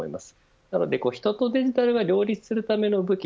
それで人とデジタルが両立するための動き